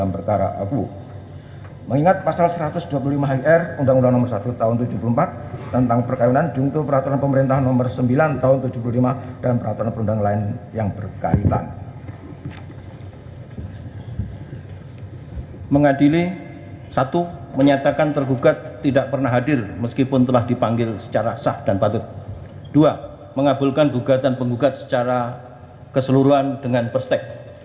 pertama penggugat akan menerjakan waktu yang cukup untuk menerjakan si anak anak tersebut yang telah menjadi ilustrasi